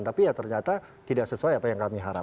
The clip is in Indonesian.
tapi ya ternyata tidak sesuai apa yang kami harapkan